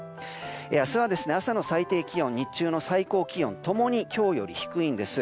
明日は朝の最低気温日中の最高気温共に今日より低いんです。